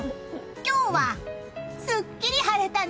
今日はすっきり晴れたね！